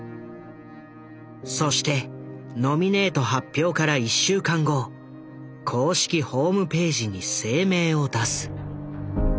そしてノミネート発表から１週間後公式ホームページに声明を出す。